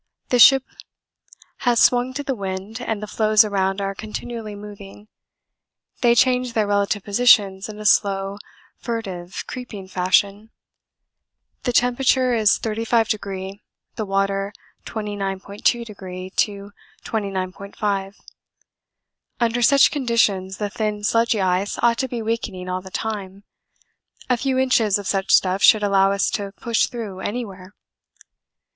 The ship has swung to the wind and the floes around are continually moving. They change their relative positions in a slow, furtive, creeping fashion. The temperature is 35°, the water 29.2° to 29.5°. Under such conditions the thin sludgy ice ought to be weakening all the time; a few inches of such stuff should allow us to push through anywhere.